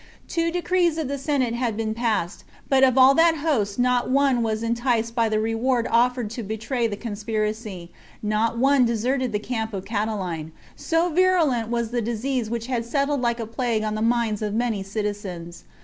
.ces of the Senate had been passed, but oi ' th^f host not one was enticed by the reward offt.cd to b *^y the conspiracy, not one deserted the ca:np of C. me, so virulent was the dis ease which had settled 1 . a plague on the minds of many citizens.